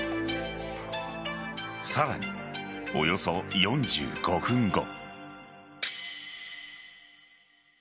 さらにおよそ４５分後。